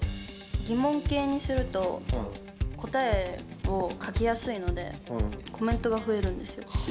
疑問系にすると、答えを書きやすいので、コメントが増えるんですよ。